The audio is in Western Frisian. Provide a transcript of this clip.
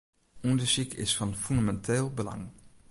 Undersyk is fan fûneminteel belang.